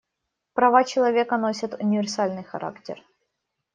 Права человека носят универсальный характер.